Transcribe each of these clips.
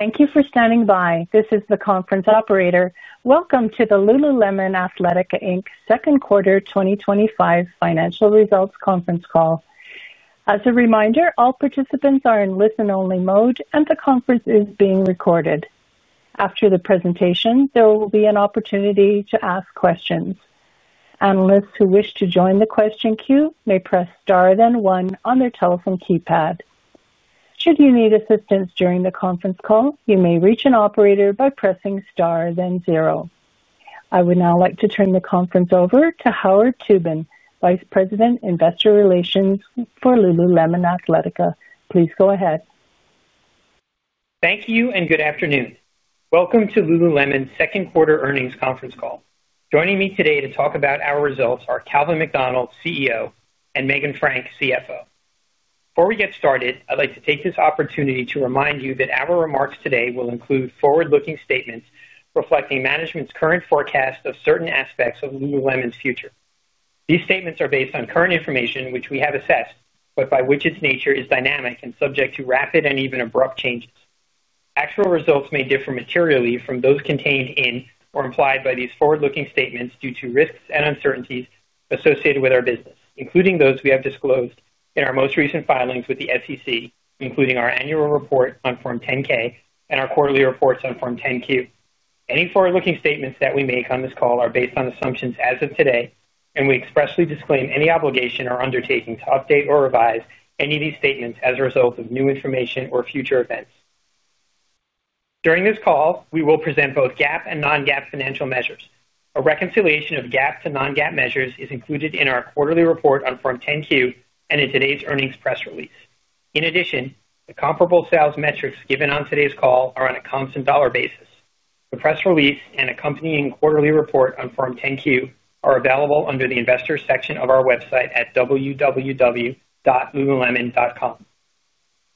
Thank you for standing by. This is the conference operator. Welcome to the Lululemon Athletica Inc. Second Quarter 2025 Financial Results Conference Call. As a reminder, all participants are in listen-only mode, and the conference is being recorded. After the presentation, there will be an opportunity to ask questions. Analysts who wish to join the question queue may press star one on their telephone keypad. Should you need assistance during the conference call, you may reach an operator by pressing star zero. I would now like to turn the conference over to Howard Tubin, Vice President, Investor Relations for Lululemon Athletica Inc. Please go ahead. Thank you and good afternoon. Welcome to Lululemon Athletica Inc.'s Second Quarter Earnings Conference Call. Joining me today to talk about our results are Calvin McDonald, CEO, and Meghan Frank, CFO. Before we get started, I'd like to take this opportunity to remind you that our remarks today will include forward-looking statements reflecting management's current forecast of certain aspects of Lululemon Athletica Inc.'s future. These statements are based on current information which we have assessed, but which by its nature is dynamic and subject to rapid and even abrupt changes. Actual results may differ materially from those contained in or implied by these forward-looking statements due to risks and uncertainties associated with our business, including those we have disclosed in our most recent filings with the SEC, including our annual report on Form 10-K and our quarterly reports on Form 10-Q. Any forward-looking statements that we make on this call are based on assumptions as of today, and we expressly disclaim any obligation or undertaking to update or revise any of these statements as a result of new information or future events. During this call, we will present both GAAP and non-GAAP financial measures. A reconciliation of GAAP to non-GAAP measures is included in our quarterly report on Form 10-Q and in today's earnings press release. In addition, the comparable sales metrics given on today's call are on a comps and dollar basis. The press release and accompanying quarterly report on Form 10-Q are available under the Investors section of our website at www.lululemon.com.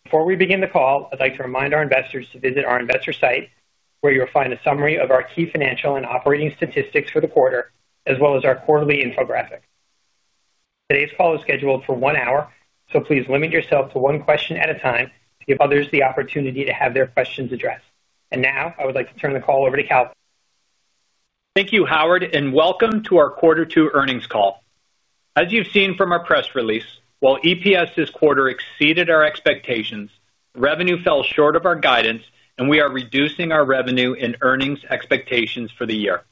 Before we begin the call, I'd like to remind our investors to visit our investor site, where you'll find a summary of our key financial and operating statistics for the quarter, as well as our quarterly infographic. Today's call is scheduled for one hour, so please limit yourself to one question at a time. Give others the opportunity to have their questions addressed. I would like to turn the call over to Calvin. Thank you, Howard, and welcome to our Quarter Two Earnings Call. As you've seen from our press release, while EPS this quarter exceeded our expectations, revenue fell short of our guidance, and we are reducing our revenue and earnings expectations for the year.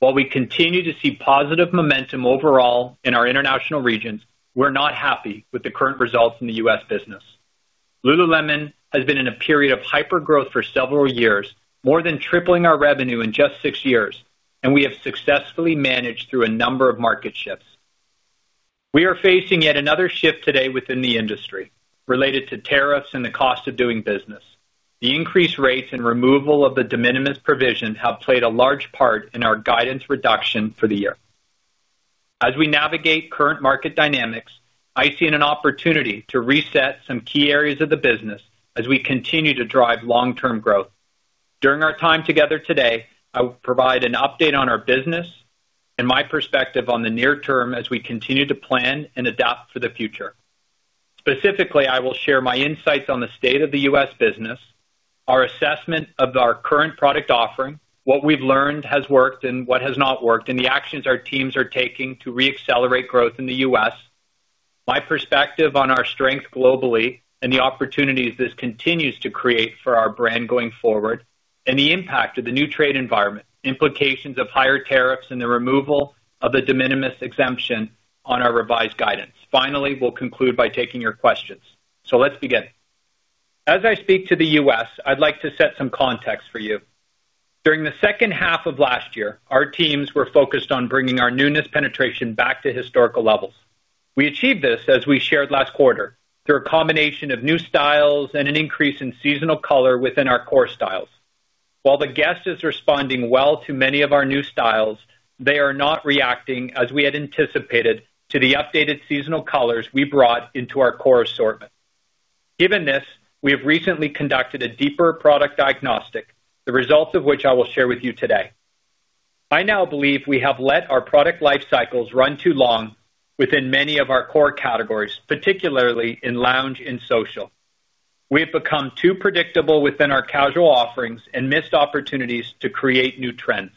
While we continue to see positive momentum overall in our international regions, we're not happy with the current results in the U.S. business. Lululemon Athletica Inc. has been in a period of hypergrowth for several years, more than tripling our revenue in just six years, and we have successfully managed through a number of market shifts. We are facing yet another shift today within the industry related to tariffs and the cost of doing business. The increased rates and removal of the de minimis exemption have played a large part in our guidance reduction for the year. As we navigate current market dynamics, I see an opportunity to reset some key areas of the business as we continue to drive long-term growth. During our time together today, I will provide an update on our business and my perspective on the near term as we continue to plan and adapt for the future. Specifically, I will share my insights on the state of the U.S. business, our assessment of our current product offering, what we've learned has worked, and what has not worked, and the actions our teams are taking to re-accelerate growth in the U.S., my perspective on our strength globally, and the opportunities this continues to create for our brand going forward, and the impact of the new trade environment, implications of higher tariffs, and the removal of the de minimis exemption on our revised guidance. Finally, we'll conclude by taking your questions. Let's begin. As I speak to the U.S., I'd like to set some context for you. During the second half of last year, our teams were focused on bringing our newness penetration back to historical levels. We achieved this, as we shared last quarter, through a combination of new styles and an increase in seasonal color within our core styles. While the guest is responding well to many of our new styles, they are not reacting as we had anticipated to the updated seasonal colors we brought into our core assortment. Given this, we have recently conducted a deeper product diagnostic, the results of which I will share with you today. I now believe we have let our product life cycles run too long within many of our core categories, particularly in lounge and social. We've become too predictable within our casual offerings and missed opportunities to create new trends.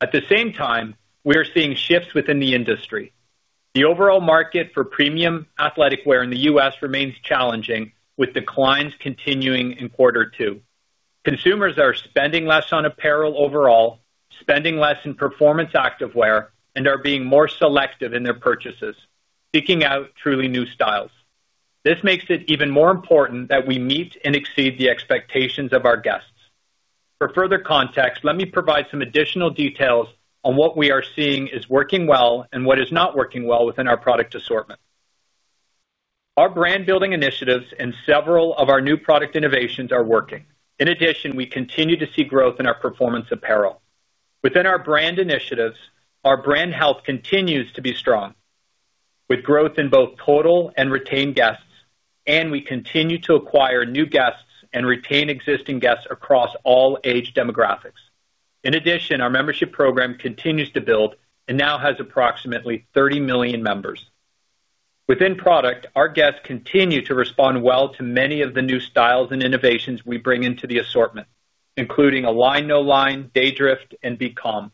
At the same time, we are seeing shifts within the industry. The overall market for premium athletic wear in the U.S. remains challenging, with declines continuing in Quarter Two. Consumers are spending less on apparel overall, spending less in performance activewear, and are being more selective in their purchases, seeking out truly new styles. This makes it even more important that we meet and exceed the expectations of our guests. For further context, let me provide some additional details on what we are seeing is working well and what is not working well within our product assortment. Our brand-building initiatives and several of our new product innovations are working. In addition, we continue to see growth in our performance apparel. Within our brand initiatives, our brand health continues to be strong, with growth in both total and retained guests, and we continue to acquire new guests and retain existing guests across all age demographics. In addition, our membership program continues to build and now has approximately 30 million members. Within product, our guests continue to respond well to many of the new styles and innovations we bring into the assortment, including Align No Line, Daydrift, and BeCalm.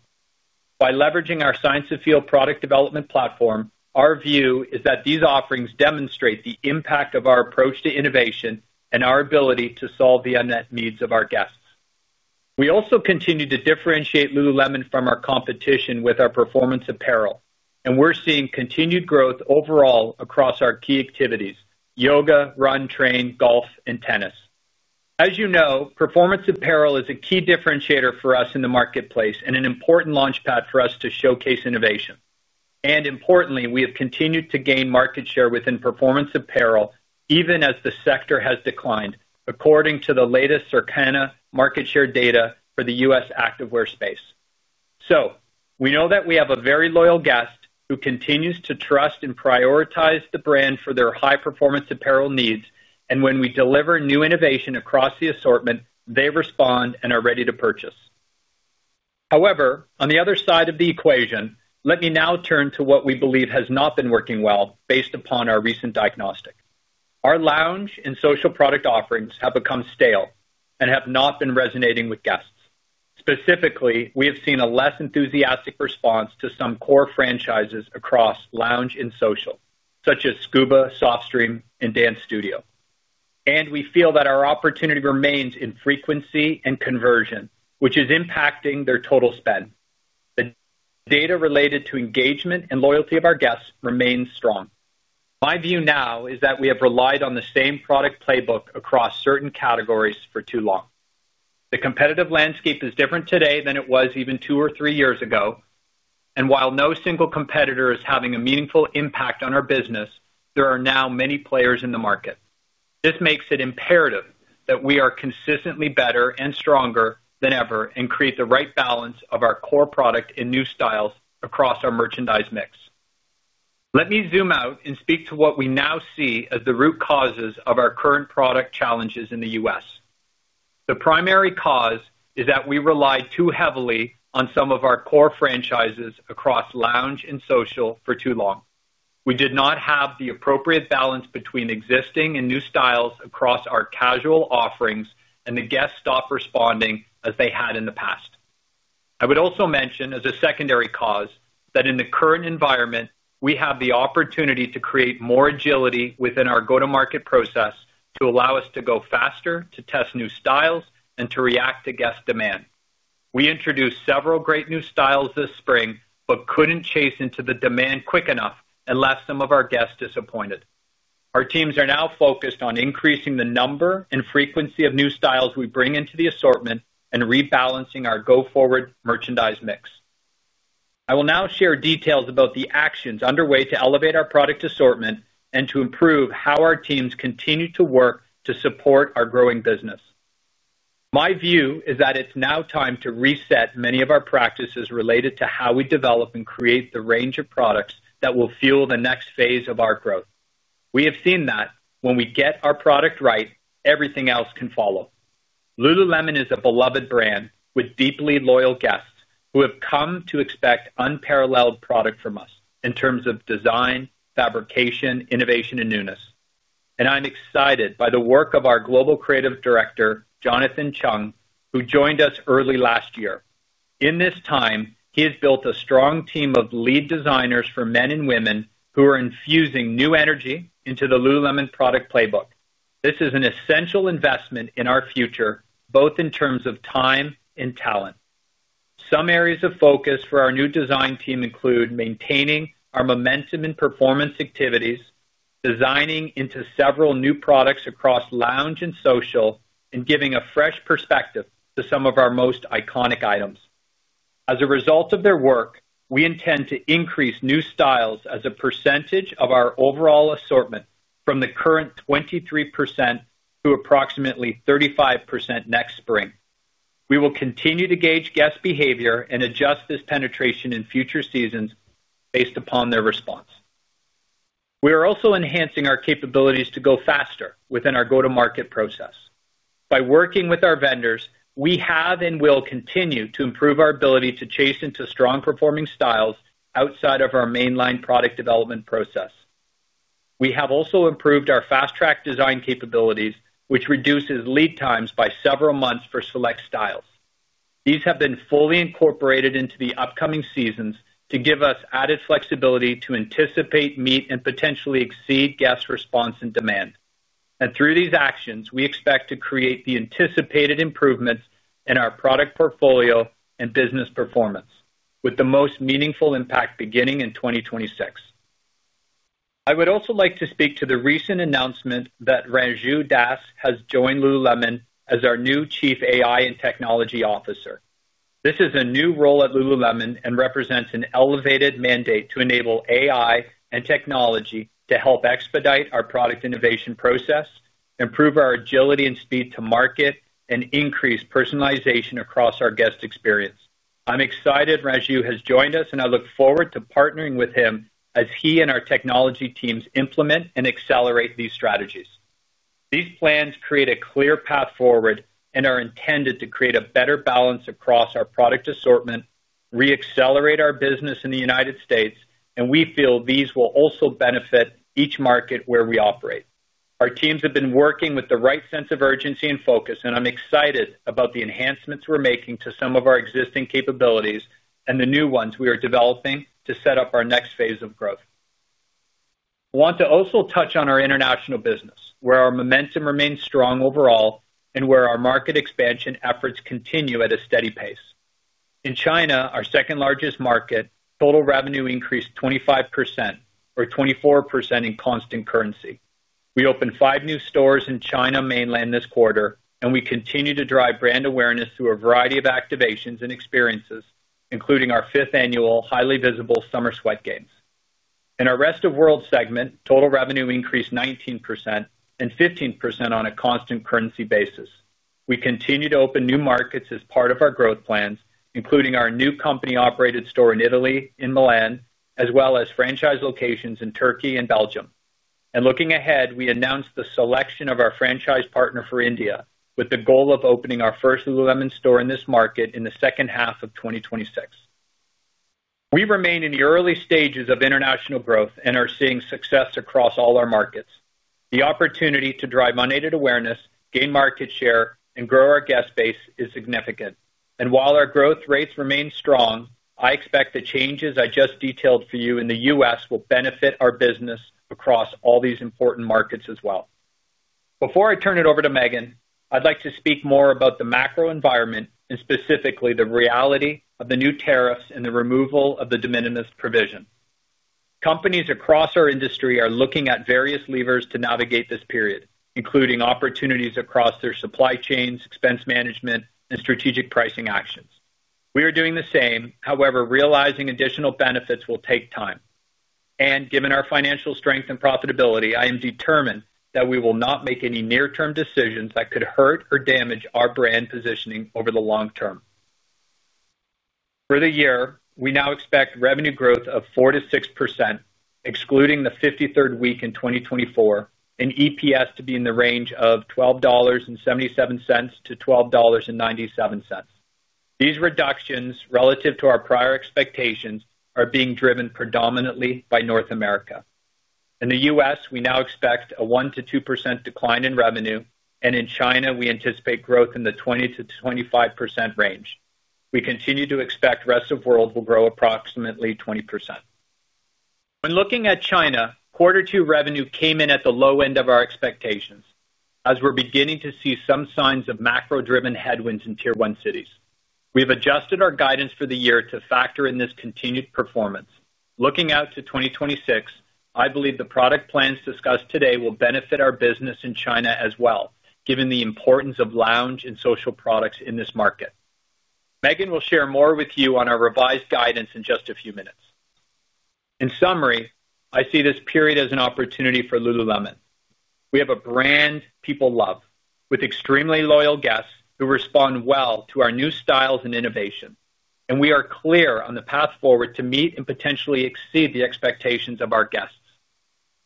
By leveraging our Science-of-Feel product development platform, our view is that these offerings demonstrate the impact of our approach to innovation and our ability to solve the unmet needs of our guests. We also continue to differentiate Lululemon from our competition with our performance apparel, and we're seeing continued growth overall across our key activities: yoga, run, train, golf, and tennis. As you know, performance apparel is a key differentiator for us in the marketplace and an important launchpad for us to showcase innovation. Importantly, we have continued to gain market share within performance apparel, even as the sector has declined, according to the latest Circana market share data for the U.S. activewear space. We know that we have a very loyal guest who continues to trust and prioritize the brand for their high-performance apparel needs, and when we deliver new innovation across the assortment, they respond and are ready to purchase. However, on the other side of the equation, let me now turn to what we believe has not been working well based upon our recent diagnostic. Our lounge and social product offerings have become stale and have not been resonating with guests. Specifically, we have seen a less enthusiastic response to some core franchises across lounge and social, such as Scuba, SoftStream, and Dance Studio. We feel that our opportunity remains in frequency and conversion, which is impacting their total spend. The data related to engagement and loyalty of our guests remains strong. My view now is that we have relied on the same product playbook across certain categories for too long. The competitive landscape is different today than it was even two or three years ago. While no single competitor is having a meaningful impact on our business, there are now many players in the market. This makes it imperative that we are consistently better and stronger than ever and create the right balance of our core product and new styles across our merchandise mix. Let me zoom out and speak to what we now see as the root causes of our current product challenges in the U.S. The primary cause is that we relied too heavily on some of our core franchises across lounge and social for too long. We did not have the appropriate balance between existing and new styles across our casual offerings and the guests stopped responding as they had in the past. I would also mention as a secondary cause that in the current environment, we have the opportunity to create more agility within our go-to-market process to allow us to go faster, to test new styles, and to react to guest demand. We introduced several great new styles this spring but couldn't chase into the demand quick enough and left some of our guests disappointed. Our teams are now focused on increasing the number and frequency of new styles we bring into the assortment and rebalancing our go-forward merchandise mix. I will now share details about the actions underway to elevate our product assortment and to improve how our teams continue to work to support our growing business. My view is that it's now time to reset many of our practices related to how we develop and create the range of products that will fuel the next phase of our growth. We have seen that when we get our product right, everything else can follow. Lululemon is a beloved brand with deeply loyal guests who have come to expect unparalleled product from us in terms of design, fabrication, innovation, and newness. I'm excited by the work of our Global Creative Director, Jonathan Cheung, who joined us early last year. In this time, he has built a strong team of lead designers for men and women who are infusing new energy into the Lululemon product playbook. This is an essential investment in our future, both in terms of time and talent. Some areas of focus for our new design team include maintaining our momentum in performance activities, designing into several new products across lounge and social, and giving a fresh perspective to some of our most iconic items. As a result of their work, we intend to increase new styles as a percentage of our overall assortment from the current 23% to approximately 35% next spring. We will continue to gauge guest behavior and adjust this penetration in future seasons based upon their response. We are also enhancing our capabilities to go faster within our go-to-market process. By working with our vendors, we have and will continue to improve our ability to chase into strong-performing styles outside of our mainline product development process. We have also improved our fast-track design capabilities, which reduces lead times by several months for select styles. These have been fully incorporated into the upcoming seasons to give us added flexibility to anticipate, meet, and potentially exceed guest response and demand. Through these actions, we expect to create the anticipated improvements in our product portfolio and business performance, with the most meaningful impact beginning in 2026. I would also like to speak to the recent announcement that Ranju Das has joined Lululemon as our new Chief AI and Technology Officer. This is a new role at Lululemon and represents an elevated mandate to enable AI and technology to help expedite our product innovation process, improve our agility and speed to market, and increase personalization across our guest experience. I'm excited Ranju has joined us, and I look forward to partnering with him as he and our technology teams implement and accelerate these strategies. These plans create a clear path forward and are intended to create a better balance across our product assortment, re-accelerate our business in the U.S., and we feel these will also benefit each market where we operate. Our teams have been working with the right sense of urgency and focus, and I'm excited about the enhancements we're making to some of our existing capabilities and the new ones we are developing to set up our next phase of growth. I want to also touch on our international business, where our momentum remains strong overall and where our market expansion efforts continue at a steady pace. In China, our second largest market, total revenue increased 25%, or 24% in constant currency. We opened five new stores in China mainland this quarter, and we continue to drive brand awareness through a variety of activations and experiences, including our fifth annual highly visible summer sweat games. In our rest of the world segment, total revenue increased 19% and 15% on a constant currency basis. We continue to open new markets as part of our growth plans, including our new company-operated store in Italy, in Milan, as well as franchise locations in Turkey and Belgium. Looking ahead, we announced the selection of our franchise partner for India, with the goal of opening our first Lululemon store in this market in the second half of 2026. We remain in the early stages of international growth and are seeing success across all our markets. The opportunity to drive unedited awareness, gain market share, and grow our guest base is significant. While our growth rates remain strong, I expect the changes I just detailed for you in the U.S. will benefit our business across all these important markets as well. Before I turn it over to Meghan, I'd like to speak more about the macro environment and specifically the reality of the new tariffs and the removal of the de minimis exemption. Companies across our industry are looking at various levers to navigate this period, including opportunities across their supply chains, expense management, and strategic pricing actions. We are doing the same, however, realizing additional benefits will take time. Given our financial strength and profitability, I am determined that we will not make any near-term decisions that could hurt or damage our brand positioning over the long term. For the year, we now expect revenue growth of 4%-6%, excluding the 53rd week in 2024, and earnings per share to be in the range of $12.77-$12.97. These reductions, relative to our prior expectations, are being driven predominantly by North America. In the U.S., we now expect a 1%-2% decline in revenue, and in China, we anticipate growth in the 20%-25% range. We continue to expect the rest of the world will grow approximately 20%. When looking at China, Quarter Two revenue came in at the low end of our expectations, as we're beginning to see some signs of macro-driven headwinds in Tier 1 cities. We have adjusted our guidance for the year to factor in this continued performance. Looking out to 2026, I believe the product plans discussed today will benefit our business in China as well, given the importance of lounge and social products in this market. Meghan will share more with you on our revised guidance in just a few minutes. In summary, I see this period as an opportunity for Lululemon Athletica Inc. We have a brand people love, with extremely loyal guests who respond well to our new styles and innovation, and we are clear on the path forward to meet and potentially exceed the expectations of our guests.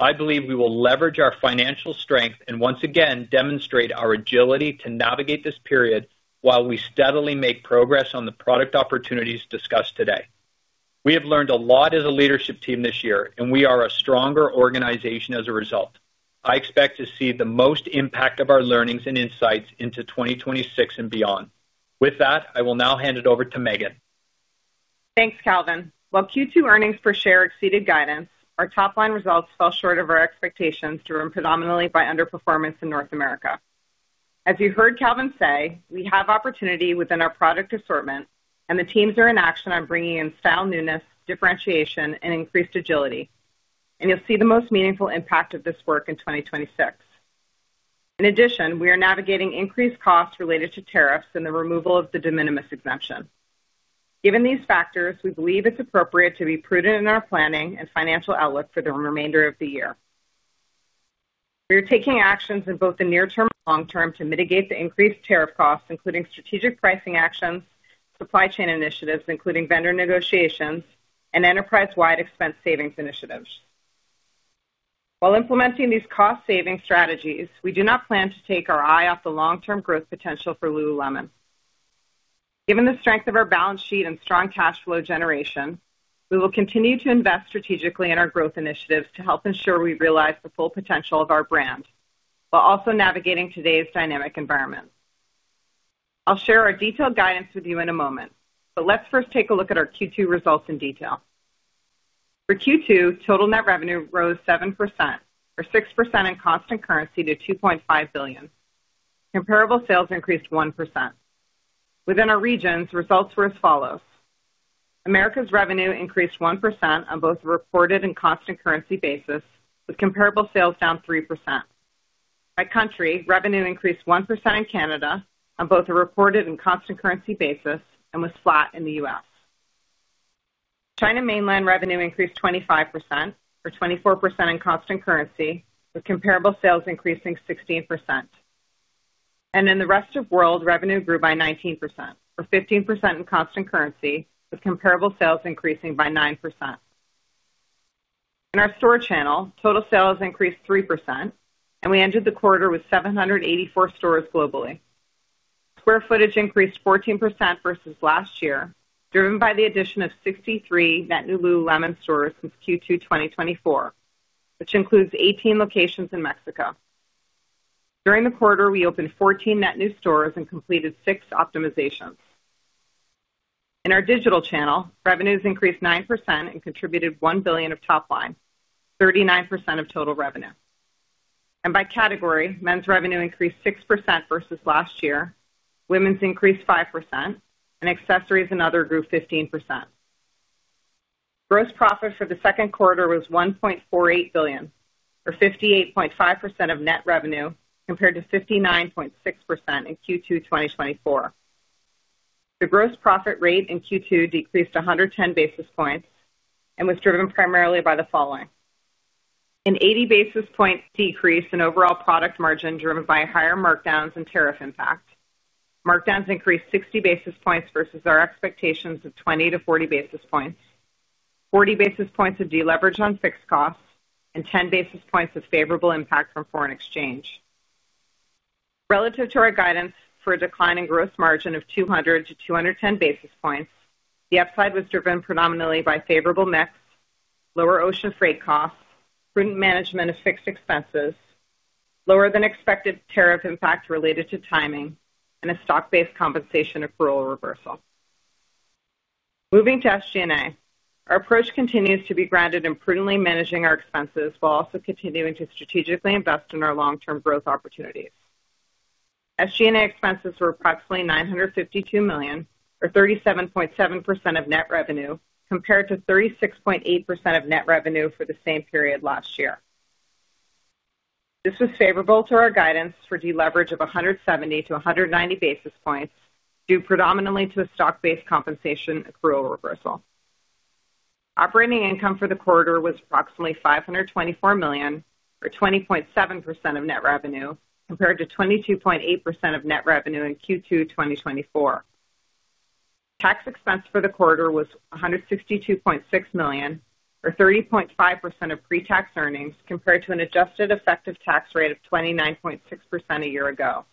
I believe we will leverage our financial strength and once again demonstrate our agility to navigate this period while we steadily make progress on the product opportunities discussed today. We have learned a lot as a leadership team this year, and we are a stronger organization as a result. I expect to see the most impact of our learnings and insights into 2026 and beyond. With that, I will now hand it over to Meghan. Thanks, Calvin. While Q2 earnings per share exceeded guidance, our top-line results fell short of our expectations, driven predominantly by underperformance in North America. As you heard Calvin say, we have opportunity within our product assortment, and the teams are in action on bringing in style newness, differentiation, and increased agility. You will see the most meaningful impact of this work in 2026. In addition, we are navigating increased costs related to tariffs and the removal of the de minimis exemption. Given these factors, we believe it's appropriate to be prudent in our planning and financial outlook for the remainder of the year. We are taking actions in both the near-term and long-term to mitigate the increased tariff costs, including strategic pricing actions, supply chain initiatives, including vendor negotiations, and enterprise-wide expense savings initiatives. While implementing these cost-saving strategies, we do not plan to take our eye off the long-term growth potential for Lululemon Athletica Inc. Given the strength of our balance sheet and strong cash flow generation, we will continue to invest strategically in our growth initiatives to help ensure we realize the full potential of our brand while also navigating today's dynamic environment. I'll share our detailed guidance with you in a moment, but let's first take a look at our Q2 results in detail. For Q2, total net revenue rose 7%, or 6% in constant currency, to $2.5 billion. Comparable sales increased 1%. Within our regions, results were as follows: America's revenue increased 1% on both a reported and constant currency basis, with comparable sales down 3%. By country, revenue increased 1% in Canada on both a reported and constant currency basis, and was flat in the U.S. China mainland revenue increased 25%, or 24% in constant currency, with comparable sales increasing 16%. In the rest of the world, revenue grew by 19%, or 15% in constant currency, with comparable sales increasing by 9%. In our store channel, total sales increased 3%, and we ended the quarter with 784 stores globally. Square footage increased 14% versus last year, driven by the addition of 63 net new Lululemon Athletica Inc. stores since Q2 2024, which includes 18 locations in Mexico. During the quarter, we opened 14 net new stores and completed six optimizations. In our digital channel, revenues increased 9% and contributed $1 billion of top line, 39% of total revenue. By category, men's revenue increased 6% versus last year, women's increased 5%, and accessories and other grew 15%. Gross profit for the second quarter was $1.48 billion, or 58.5% of net revenue, compared to 59.6% in Q2 2024. The gross profit rate in Q2 decreased 110 basis points and was driven primarily by the following: an 80 basis points decrease in overall product margin driven by higher markdowns and tariff impact. Markdowns increased 60 basis points versus our expectations of 20-40 basis points, 40 basis points of deleverage on fixed costs, and 10 basis points of favorable impact from foreign exchange. Relative to our guidance for a decline in gross margin of 200-210 basis points, the upside was driven predominantly by favorable mix, lower ocean freight costs, prudent management of fixed expenses, lower than expected tariff impact related to timing, and a stock-based compensation accrual reversal. Moving to SG&A, our approach continues to be grounded in prudently managing our expenses while also continuing to strategically invest in our long-term growth opportunities. SG&A expenses were approximately $952 million, or 37.7% of net revenue, compared to 36.8% of net revenue for the same period last year. This was favorable to our guidance for deleverage of 170-190 basis points, due predominantly to a stock-based compensation accrual reversal. Operating income for the quarter was approximately $524 million, or 20.7% of net revenue, compared to 22.8% of net revenue in Q2 2024. Tax expense for the quarter was $162.6 million, or 30.5% of pre-tax earnings, compared to an adjusted effective tax rate of 29.6% a year ago.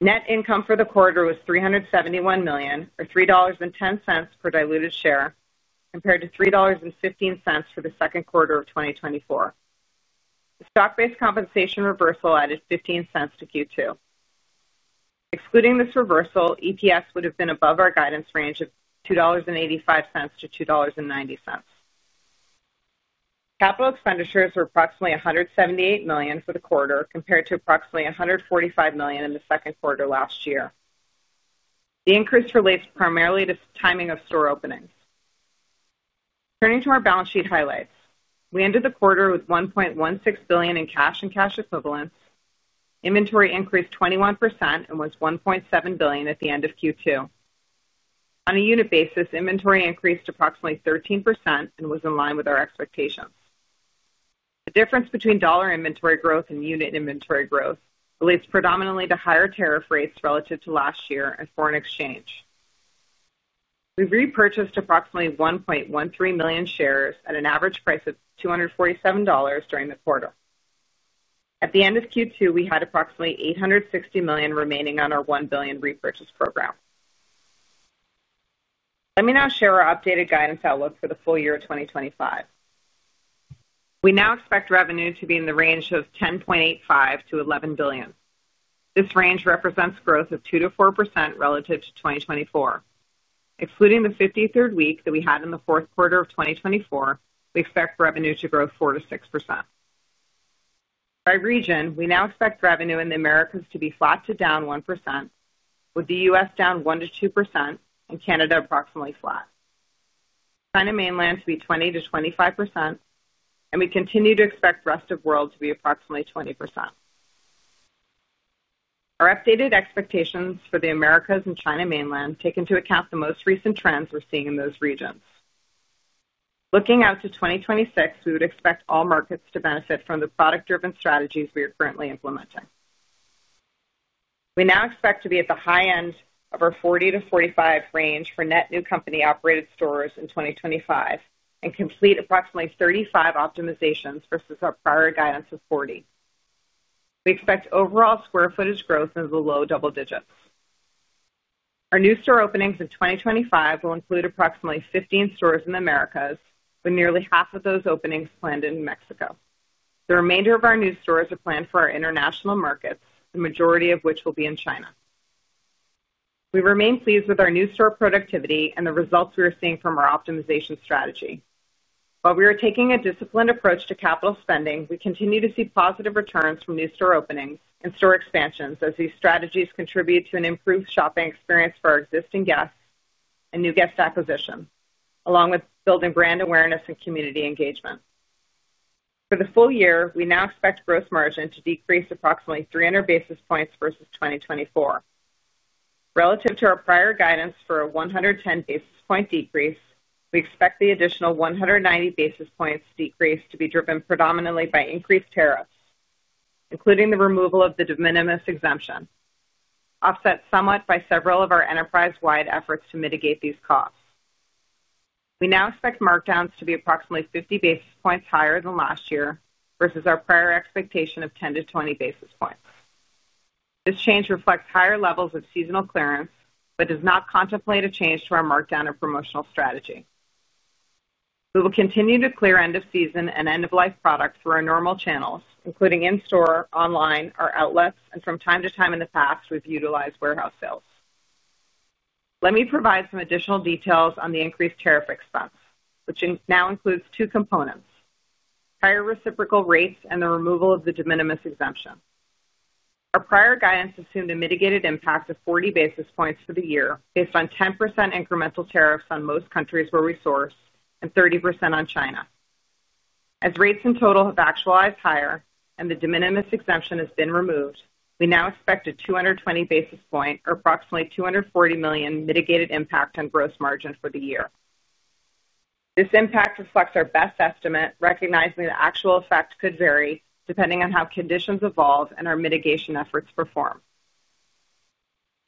Net income for the quarter was $371 million, or $3.10 per diluted share, compared to $3.15 for the second quarter of 2024. The stock-based compensation reversal added $0.15 to Q2. Excluding this reversal, EPS would have been above our guidance range of $2.85-$2.90. Capital expenditures were approximately $178 million for the quarter, compared to approximately $145 million in the second quarter last year. The increase relates primarily to timing of store opening. Turning to our balance sheet highlights, we ended the quarter with $1.16 billion in cash and cash equivalents. Inventory increased 21% and was $1.7 billion at the end of Q2. On a unit basis, inventory increased approximately 13% and was in line with our expectations. The difference between dollar inventory growth and unit inventory growth relates predominantly to higher tariff rates relative to last year and foreign exchange. We repurchased approximately 1.13 million shares at an average price of $247 during the quarter. At the end of Q2, we had approximately $860 million remaining on our $1 billion repurchase program. Let me now share our updated guidance outlook for the full year of 2025. We now expect revenue to be in the range of $10.85 billion-$11 billion. This range represents growth of 2%-4% relative to 2024. Excluding the 53rd week that we had in the fourth quarter of 2024, we expect revenue to grow 4%-6%. By region, we now expect revenue in the Americas to be flat to down 1%, with the U.S. down 1%-2% and Canada approximately flat. China mainland to be 20%-25%, and we continue to expect the rest of the world to be approximately 20%. Our updated expectations for the Americas and China mainland take into account the most recent trends we're seeing in those regions. Looking out to 2026, we would expect all markets to benefit from the product-driven strategies we are currently implementing. We now expect to be at the high end of our 40%-45% range for net new company-operated stores in 2025 and complete approximately 35 optimizations versus our prior guidance of 40%. We expect overall square footage growth in the low double digits. Our new store openings in 2025 will include approximately 15 stores in the Americas, with nearly half of those openings planned in Mexico. The remainder of our new stores are planned for our international markets, the majority of which will be in China. We remain pleased with our new store productivity and the results we are seeing from our optimization strategy. While we are taking a disciplined approach to capital spending, we continue to see positive returns from new store openings and store expansions as these strategies contribute to an improved shopping experience for our existing guests and new guest acquisition, along with building brand awareness and community engagement. For the full year, we now expect gross margin to decrease approximately 300 basis points versus 2024. Relative to our prior guidance for a 110 basis point decrease, we expect the additional 190 basis points decrease to be driven predominantly by increased tariffs, including the removal of the de minimis exemption, offset somewhat by several of our enterprise-wide efforts to mitigate these costs. We now expect markdowns to be approximately 50 basis points higher than last year versus our prior expectation of 10-20 basis points. This change reflects higher levels of seasonal clearance but does not contemplate a change to our markdown or promotional strategy. We will continue to clear end-of-season and end-of-life products for our normal channels, including in-store, online, our outlets, and from time to time in the past, we've utilized warehouse sales. Let me provide some additional details on the increased tariff expense, which now includes two components: higher reciprocal rates and the removal of the de minimis exemption. Our prior guidance assumed a mitigated impact of 40 basis points for the year based on 10% incremental tariffs on most countries where we sourced and 30% on China. As rates in total have actualized higher and the de minimis exemption has been removed, we now expect a 220 basis point, or approximately $240 million, mitigated impact on gross margin for the year. This impact reflects our best estimate, recognizing the actual effect could vary depending on how conditions evolve and our mitigation efforts perform.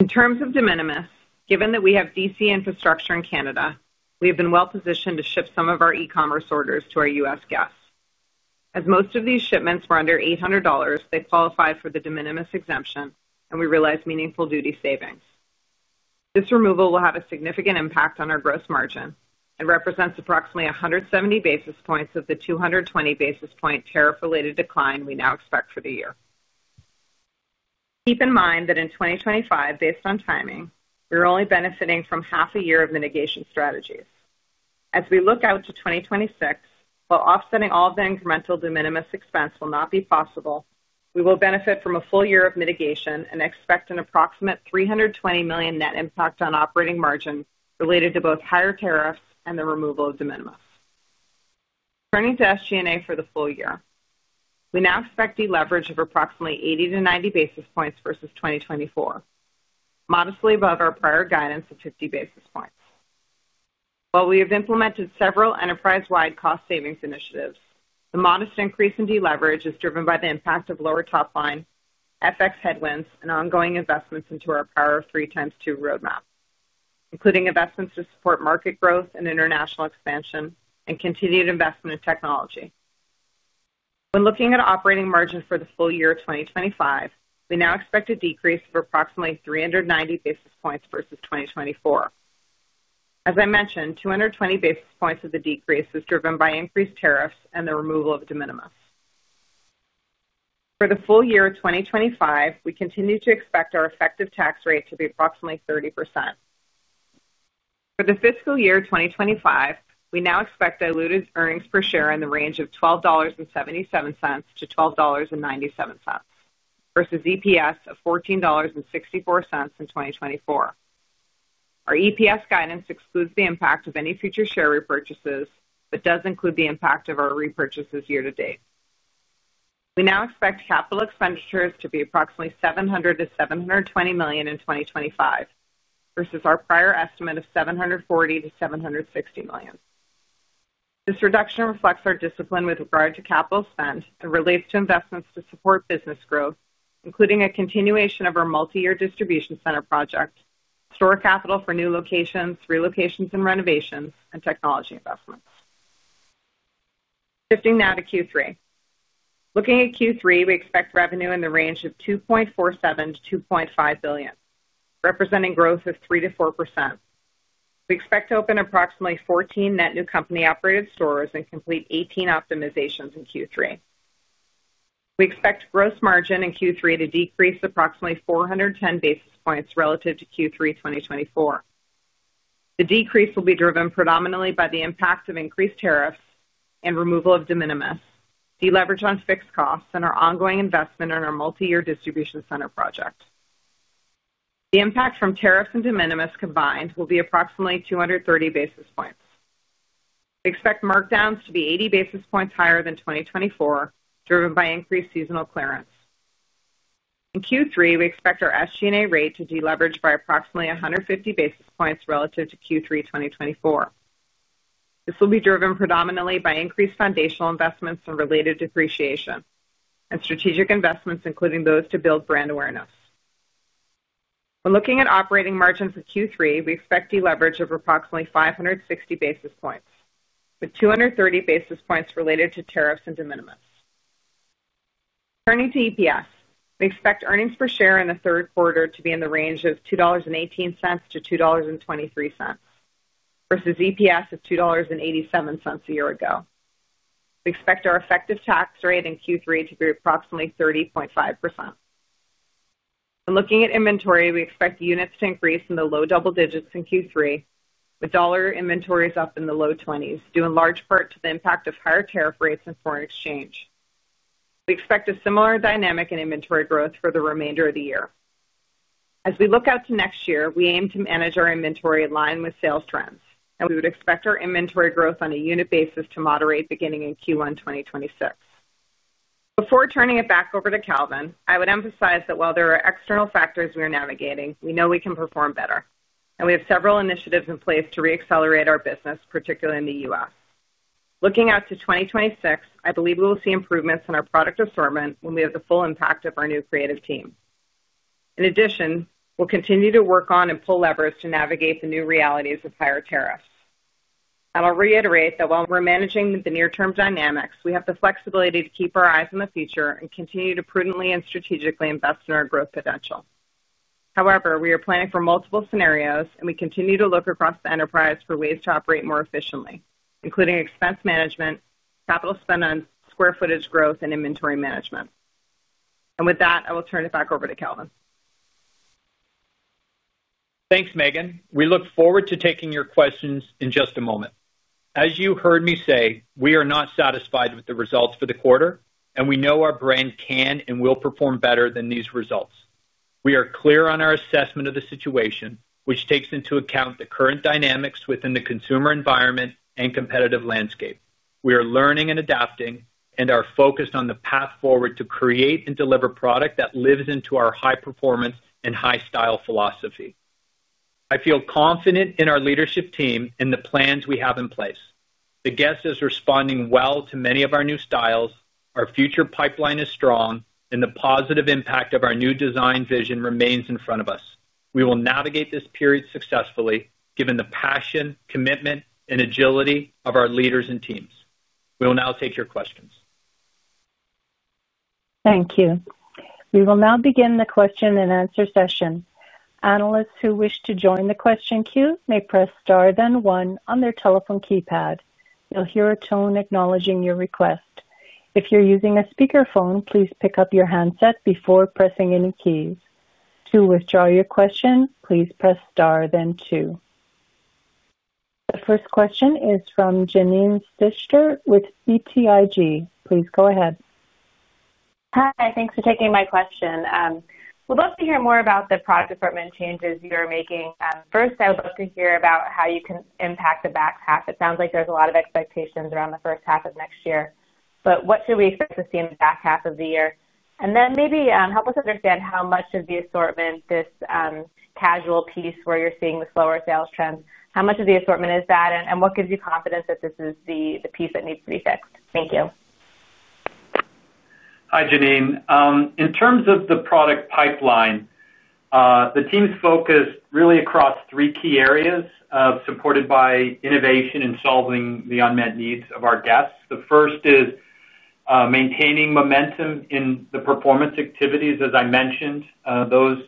In terms of de minimis, given that we have DC infrastructure in Canada, we have been well-positioned to ship some of our e-commerce orders to our U.S. guests. As most of these shipments were under $800, they qualified for the de minimis exemption, and we realized meaningful duty savings. This removal will have a significant impact on our gross margin and represents approximately 170 basis points of the 220 basis point tariff-related decline we now expect for the year. Keep in mind that in 2025, based on timing, we are only benefiting from half a year of mitigation strategies. As we look out to 2026, while offsetting all the incremental de minimis expense will not be possible, we will benefit from a full year of mitigation and expect an approximate $320 million net impact on operating margin related to both higher tariffs and the removal of de minimis. Turning to SG&A for the full year, we now expect deleverage of approximately 80-90 basis points versus 2024, modestly above our prior guidance of 50 basis points. While we have implemented several enterprise-wide cost-savings initiatives, the modest increase in deleverage is driven by the impact of lower top line, FX headwinds, and ongoing investments into our prior 3x2 roadmap, including investments to support market growth and international expansion and continued investment in technology. When looking at operating margin for the full year of 2025, we now expect a decrease of approximately 390 basis points versus 2024. As I mentioned, 220 basis points of the decrease is driven by increased tariffs and the removal of de minimis exemption. For the full year of 2025, we continue to expect our effective tax rate to be approximately 30%. For the fiscal year of 2025, we now expect diluted earnings per share in the range of $12.77-$12.97 versus EPS of $14.64 in 2024. Our EPS guidance excludes the impact of any future share repurchases but does include the impact of our repurchases year to date. We now expect capital expenditures to be approximately $700 million-$720 million in 2025 versus our prior estimate of $740million-$760 million. This reduction reflects our discipline with regard to capital spend and relates to investments to support business growth, including a continuation of our multi-year distribution center project, store capital for new locations, relocations, and renovations, and technology investments. Shifting now to Q3. Looking at Q3, we expect revenue in the range of $2.47 billion-$2.5 billion, representing growth of 3%-4%. We expect to open approximately 14 net new company-operated stores and complete 18 optimizations in Q3. We expect gross margin in Q3 to decrease approximately 410 basis points relative to Q3 2024. The decrease will be driven predominantly by the impact of increased tariffs and removal of de minimis exemption, deleverage on fixed costs, and our ongoing investment in our multi-year distribution center project. The impact from tariffs and de minimis exemption combined will be approximately 230 basis points. We expect markdowns to be 80 basis points higher than 2024, driven by increased seasonal clearance. In Q3, we expect our SG&A rate to deleverage by approximately 150 basis points relative to Q3 2024. This will be driven predominantly by increased foundational investments and related depreciation and strategic investments, including those to build brand awareness. When looking at operating margins in Q3, we expect deleverage of approximately 560 basis points, with 230 basis points related to tariffs and de minimis exemption. Turning to EPS, we expect earnings per share in the third quarter to be in the range of $2.18-$2.23 versus EPS of $2.87 a year ago. We expect our effective tax rate in Q3 to be approximately 30.5%. When looking at inventory, we expect units to increase in the low double digits in Q3, with dollar inventories up in the low 20s, due in large part to the impact of higher tariff rates and foreign exchange. We expect a similar dynamic in inventory growth for the remainder of the year. As we look out to next year, we aim to manage our inventory in line with sales trends, and we would expect our inventory growth on a unit basis to moderate beginning in Q1 2026. Before turning it back over to Calvin, I would emphasize that while there are external factors we are navigating, we know we can perform better, and we have several initiatives in place to re-accelerate our business, particularly in the U.S. Looking out to 2026, I believe we will see improvements in our product assortment when we have the full impact of our new creative team. In addition, we'll continue to work on and pull levers to navigate the new realities of higher tariffs. I will reiterate that while we're managing the near-term dynamics, we have the flexibility to keep our eyes on the future and continue to prudently and strategically invest in our growth potential. However, we are planning for multiple scenarios, and we continue to look across the enterprise for ways to operate more efficiently, including expense management, capital spend on square footage growth, and inventory management. With that, I will turn it back over to Calvin. Thanks, Meghan. We look forward to taking your questions in just a moment. As you heard me say, we are not satisfied with the results for the quarter, and we know our brand can and will perform better than these results. We are clear on our assessment of the situation, which takes into account the current dynamics within the consumer environment and competitive landscape. We are learning and adapting and are focused on the path forward to create and deliver product that lives into our high-performance and high-style philosophy. I feel confident in our leadership team and the plans we have in place. The guest is responding well to many of our new styles. Our future pipeline is strong, and the positive impact of our new design vision remains in front of us. We will navigate this period successfully, given the passion, commitment, and agility of our leaders and teams. We will now take your questions. Thank you. We will now begin the question and answer session. Analysts who wish to join the question queue may press star one on their telephone keypad. You'll hear a tone acknowledging your request. If you're using a speakerphone, please pick up your handset before pressing any keys. To withdraw your question, please press star two. The first question is from Janine Stichter with BTIG. Please go ahead. Hi, thanks for taking my question. I would love to hear more about the product department changes you are making. First, I would love to hear about how you can impact the back half. It sounds like there's a lot of expectations around the first half of next year, but what should we expect to see in the back half of the year? Maybe help us understand how much of the assortment, this casual piece where you're seeing this lower sales trend, how much of the assortment is that and what gives you confidence that this is the piece that needs to be fixed? Thank you. Hi, Janine. In terms of the product pipeline, the team's focus really across three key areas supported by innovation and solving the unmet needs of our guests. The first is maintaining momentum in the performance activities. As I mentioned, those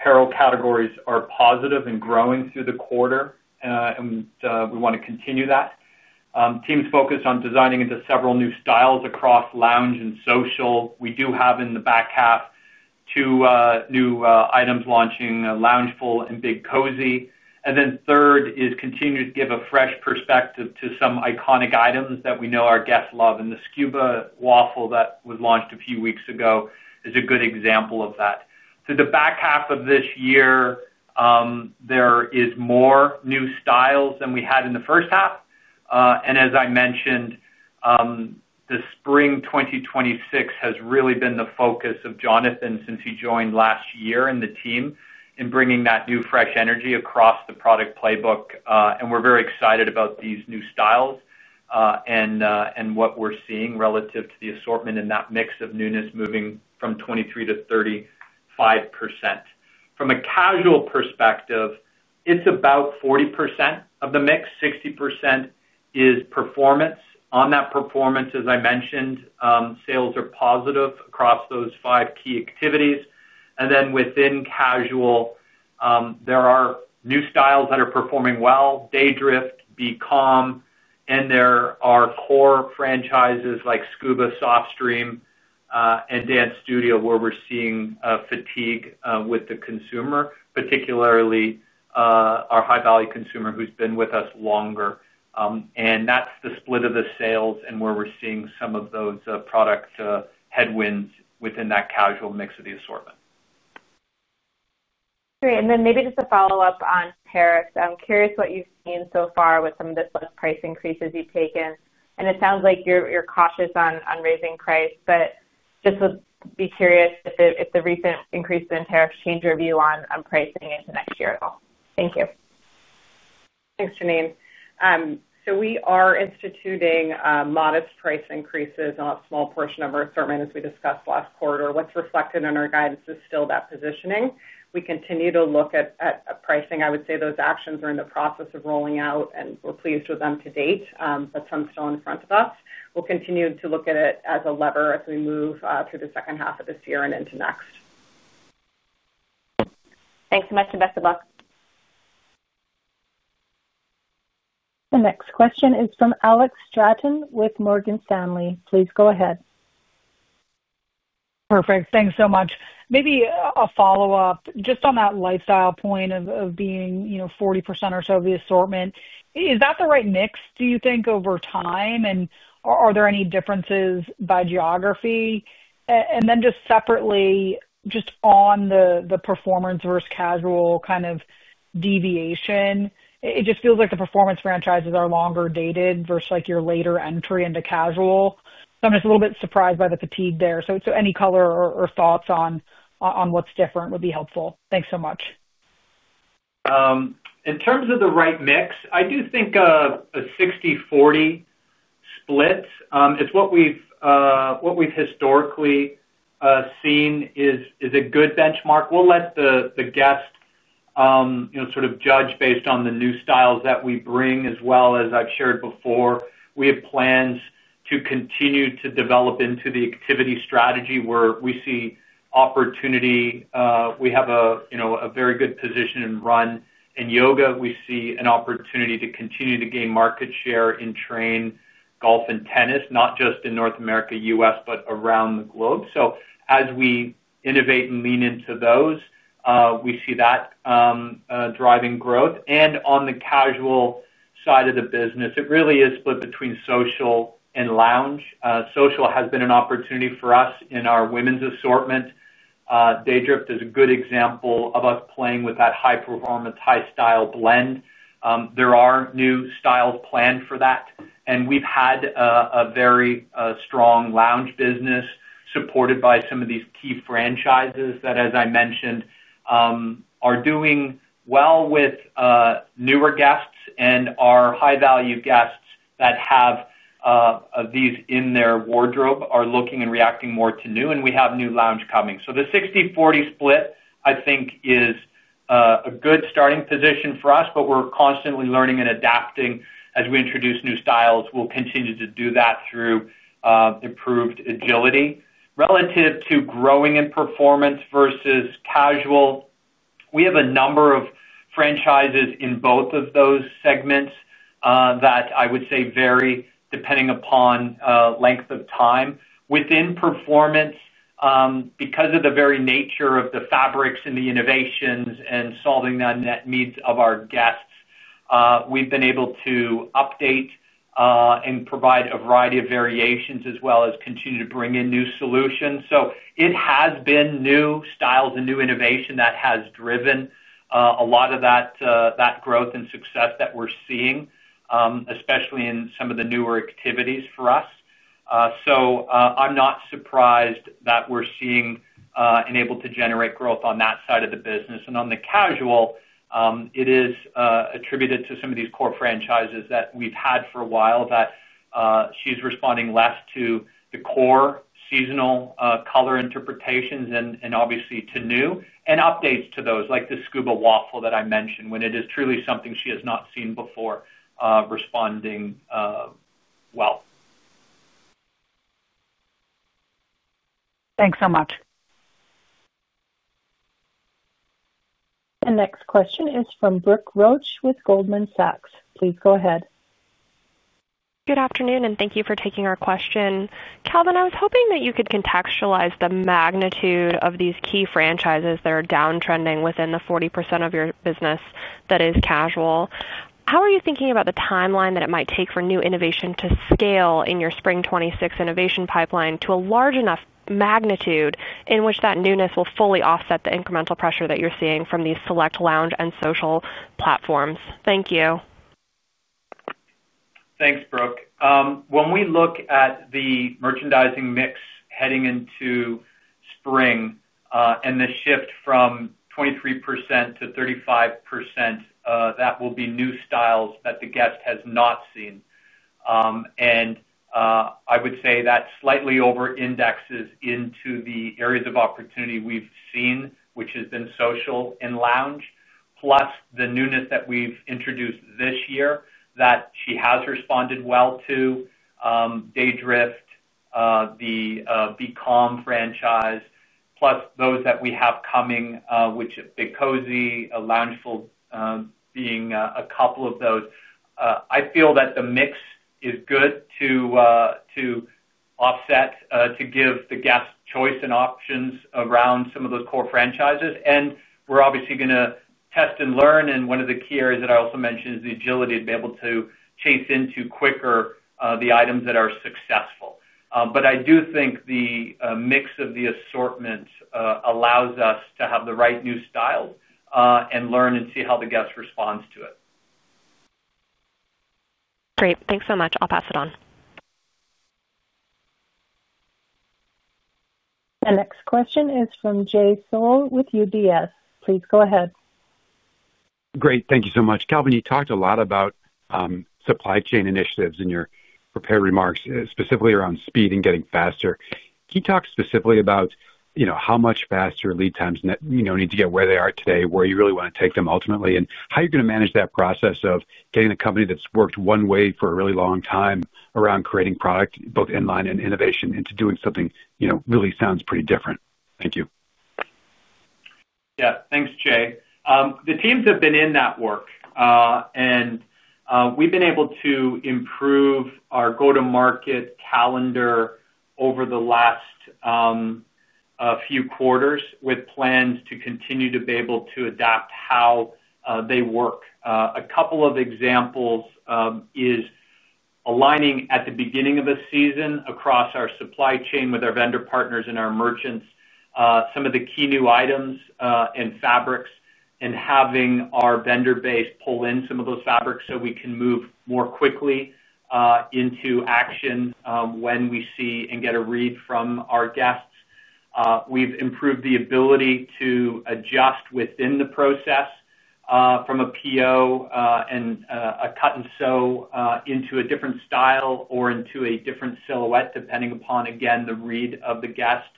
apparel categories are positive and growing through the quarter, and we want to continue that. The team's focus on designing into several new styles across lounge and social. We do have in the back half two new items launching: LoungeFull and Big Cozy. Third is continuing to give a fresh perspective to some iconic items that we know our guests love, and the Scuba Waffle that was launched a few weeks ago is a good example of that. For the back half of this year, there are more new styles than we had in the first half. As I mentioned, the spring 2026 has really been the focus of Jonathan since he joined last year in the team in bringing that new fresh energy across the product playbook. We're very excited about these new styles and what we're seeing relative to the assortment and that mix of newness moving from 23%-35%. From a casual perspective, it's about 40% of the mix. 60% is performance. On that performance, as I mentioned, sales are positive across those five key activities. Within casual, there are new styles that are performing well: Daydrift, BeCalm, and there are core franchises like Scuba, SoftStream, and Dance Studio where we're seeing fatigue with the consumer, particularly our high-value consumer who's been with us longer. That's the split of the sales and where we're seeing some of those product headwinds within that casual mix of the assortment. Great. Maybe just a follow-up on tariffs. I'm curious what you've seen so far with some of the price increases you've taken. It sounds like your cost is on raising price, but just would be curious if the recent increase in tariffs changed your view on pricing into next year at all. Thank you. Thanks, Janine. We are instituting modest price increases on a small portion of our assortment, as we discussed last quarter. What's reflected in our guidance is still that positioning. We continue to look at pricing. I would say those actions are in the process of rolling out, and we're pleased with them to date. That's still in front of us. We'll continue to look at it as a lever as we move through the second half of this year and into next. Thanks so much, and best of luck. The next question is from Alex Straton with Morgan Stanley. Please go ahead. Perfect. Thanks so much. Maybe a follow-up just on that lifestyle point of being 40% or so of the assortment. Is that the right mix, do you think, over time? Are there any differences by geography? Just separately, on the performance versus casual kind of deviation, it just feels like the performance franchises are longer dated versus your later entry into casual. I'm just a little bit surprised by the fatigue there. Any color or thoughts on what's different would be helpful. Thanks so much. In terms of the right mix, I do think a 60/40 split is what we've historically seen is a good benchmark. We'll let the guests sort of judge based on the new styles that we bring. As well as I've shared before, we have plans to continue to develop into the activity strategy where we see opportunity. We have a very good position in run and yoga. We see an opportunity to continue to gain market share in train, golf, and tennis, not just in North America, U.S., but around the globe. As we innovate and lean into those, we see that driving growth. On the casual side of the business, it really is split between social and lounge. Social has been an opportunity for us in our women's assortment. Daydrift is a good example of us playing with that high-performance, high-style blend. There are new styles planned for that. We've had a very strong lounge business supported by some of these key franchises that, as I mentioned, are doing well with newer guests. Our high-value guests that have these in their wardrobe are looking and reacting more to new, and we have new lounge coming. The 60/40 split, I think, is a good starting position for us, but we're constantly learning and adapting as we introduce new styles. We'll continue to do that through improved agility. Relative to growing in performance versus casual, we have a number of franchises in both of those segments that I would say vary depending upon length of time. Within performance, because of the very nature of the fabrics and the innovations and solving that net need of our guests, we've been able to update and provide a variety of variations as well as continue to bring in new solutions. It has been new styles and new innovation that has driven a lot of that growth and success that we're seeing, especially in some of the newer activities for us. I'm not surprised that we're seeing and able to generate growth on that side of the business. On the casual, it is attributed to some of these core franchises that we've had for a while that she's responding less to the core seasonal color interpretations and obviously to new and updates to those like the Scuba waffle that I mentioned when it is truly something she has not seen before responding well. Thanks so much. The next question is from Brooke Roach with Goldman Sachs. Please go ahead. Good afternoon, and thank you for taking our question. Calvin, I was hoping that you could contextualize the magnitude of these key franchises that are downtrending within the 40% of your business that is casual. How are you thinking about the timeline that it might take for new innovation to scale in your spring 2026 innovation pipeline to a large enough magnitude in which that newness will fully offset the incremental pressure that you're seeing from these select lounge and social platforms? Thank you. Thanks, Brooke. When we look at the merchandising mix heading into spring and the shift from 23%-35%, that will be new styles that the guest has not seen. I would say that slightly over-indexes into the areas of opportunity we've seen, which has been social and lounge, plus the newness that we've introduced this year that she has responded well to: Daydrift, the BeCalm franchise, plus those that we have coming, which is Big Cozy, LoungeFull being a couple of those. I feel that the mix is good to offset, to give the guests choice and options around some of those core franchises. We're obviously going to test and learn. One of the key areas that I also mentioned is the agility to be able to chase into quicker the items that are successful. I do think the mix of the assortment allows us to have the right new style and learn and see how the guest responds to it. Great, thanks so much. I'll pass it on. The next question is from Jay Sole with UBS. Please go ahead. Great. Thank you so much. Calvin, you talked a lot about supply chain initiatives in your prepared remarks, specifically around speed and getting faster. Can you talk specifically about how much faster lead times need to get, where they are today, where you really want to take them ultimately, and how you're going to manage that process of getting a company that's worked one way for a really long time around creating product, both inline and innovation, into doing something really sounds pretty different? Thank you. Yeah. Thanks, Jay. The teams have been in that work, and we've been able to improve our go-to-market calendar over the last few quarters with plans to continue to be able to adapt how they work. A couple of examples are aligning at the beginning of the season across our supply chain with our vendor partners and our merchants, some of the key new items and fabrics, and having our vendor base pull in some of those fabrics so we can move more quickly into action when we see and get a read from our guests. We've improved the ability to adjust within the process from a PO and a cut and sew into a different style or into a different silhouette, depending upon, again, the read of the guest.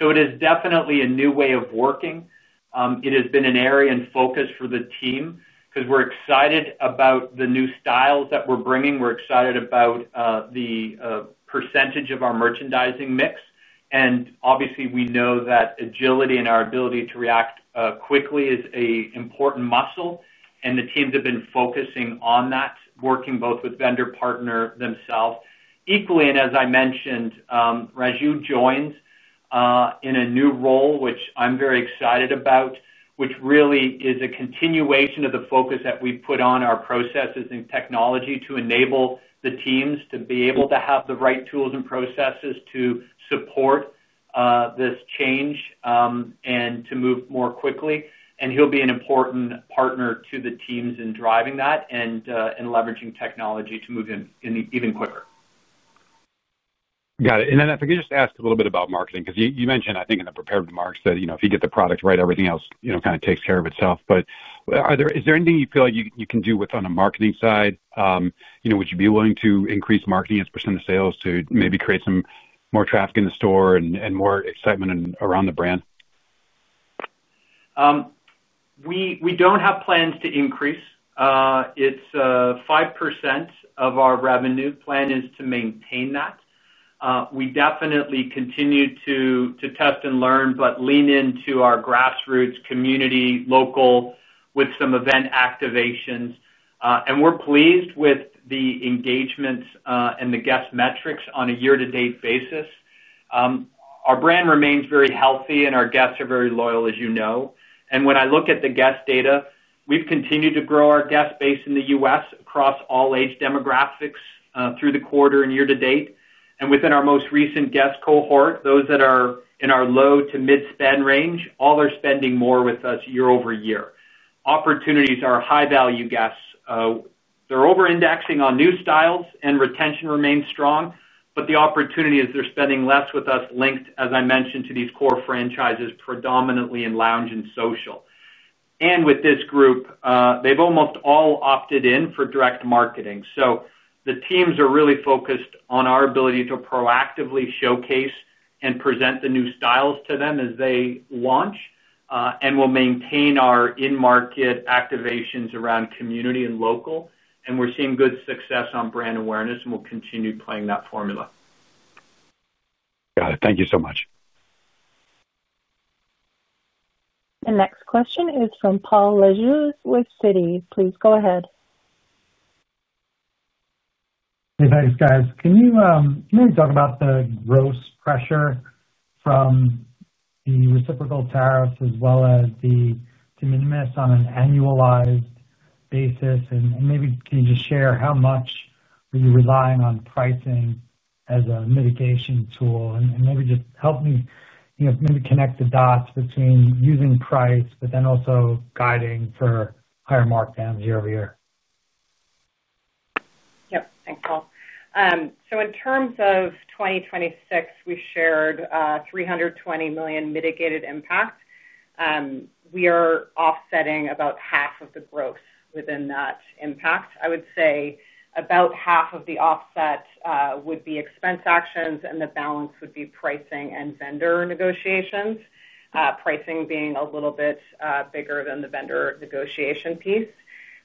It is definitely a new way of working. It has been an area in focus for the team because we're excited about the new styles that we're bringing. We're excited about the percentage of our merchandising mix. Obviously, we know that agility and our ability to react quickly is an important muscle, and the teams have been focusing on that, working both with vendor partner themselves. Equally, as I mentioned, Ranju joins in a new role, which I'm very excited about, which really is a continuation of the focus that we put on our processes and technology to enable the teams to be able to have the right tools and processes to support this change and to move more quickly. He'll be an important partner to the teams in driving that and leveraging technology to move in even quicker. Got it. If I could just ask a little bit about marketing, because you mentioned, I think, in the prepared remarks that if you get the product right, everything else kind of takes care of itself. Is there anything you feel like you can do on a marketing side? Would you be willing to increase marketing as a percent of sales to maybe create some more traffic in the store and more excitement around the brand? We don't have plans to increase. It's 5% of our revenue. The plan is to maintain that. We definitely continue to test and learn, but lean into our grassroots community, local, with some event activations. We're pleased with the engagement and the guest metrics on a year-to-date basis. Our brand remains very healthy, and our guests are very loyal, as you know. When I look at the guest data, we've continued to grow our guest base in the U.S. across all age demographics through the quarter and year to date. Within our most recent guest cohort, those that are in our low to mid-spend range, all are spending more with us year over year. Opportunities are high-value guests. They're over-indexing on new styles, and retention remains strong. The opportunity is they're spending less with us, linked, as I mentioned, to these core franchises, predominantly in lounge and social. With this group, they've almost all opted in for direct marketing. The teams are really focused on our ability to proactively showcase and present the new styles to them as they launch and will maintain our in-market activations around community and local. We're seeing good success on brand awareness, and we'll continue playing that formula. Got it. Thank you so much. The next question is from Paul Lejuez with Citi Research. Please go ahead. Hey, thanks, guys. Can you maybe talk about the gross pressure from the reciprocal tariffs as well as the de minimis exemption on an annualized basis? Maybe can you just share how much are you relying on pricing as a mitigation tool? Maybe just help me connect the dots between using price, but then also guiding for higher markdowns year over year. Yeah. Thanks, Paul. In terms of 2026, we shared $320 million mitigated impact. We are offsetting about half of the growth within that impact. I would say about half of the offset would be expense actions, and the balance would be pricing and vendor negotiations, pricing being a little bit bigger than the vendor negotiation piece.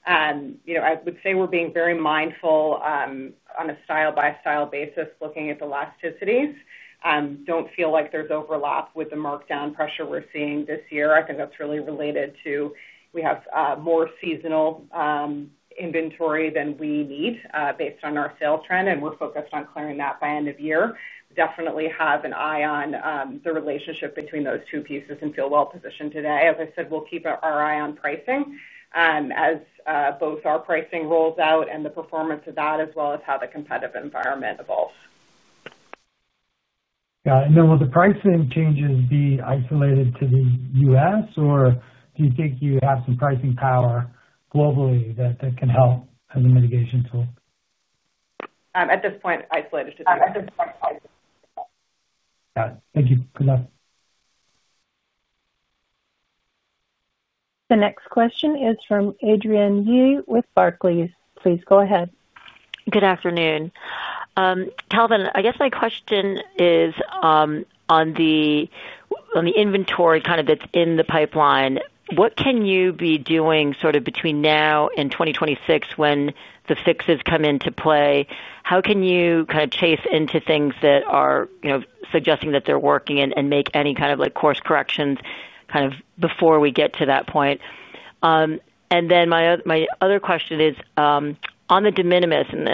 I would say we're being very mindful on a style-by-style basis, looking at the elasticities. Don't feel like there's overlap with the markdown pressure we're seeing this year. I think that's really related to we have more seasonal inventory than we need based on our sale trend, and we're focused on clearing that by end of year. We definitely have an eye on the relationship between those two pieces and feel well-positioned today. As I said, we'll keep our eye on pricing as both our pricing rolls out and the performance of that, as well as how the competitive environment evolves. Got it. Will the pricing changes be isolated to the U.S., or do you think you have some pricing power globally that can help as a mitigation tool? At this point, isolated to the U.S. Got it. Thank you. Good luck. The next question is from Adrianne Yih with Barclays. Please go ahead. Good afternoon. Calvin, I guess my question is on the inventory that's in the pipeline. What can you be doing between now and 2026 when the fixes come into play? How can you chase into things that are suggesting that they're working and make any course corrections before we get to that point? My other question is on the de minimis, and